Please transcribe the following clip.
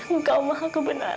engkau maha kebenaran ya allah